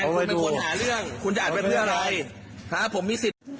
ผมมีสิทธิ์